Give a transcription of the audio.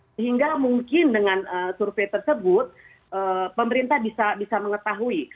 sehingga mungkin dengan survei tersebut pemerintah bisa mengetahui